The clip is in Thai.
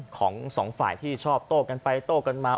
ของสองฝ่ายที่ชอบโต้กันไปโต้กันมา